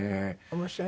面白いね。